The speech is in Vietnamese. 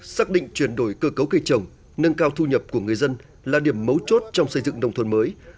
xác định chuyển đổi cơ cấu cây trồng nâng cao thu nhập của người dân là điểm mấu chốt trong xây dựng nông thôn mới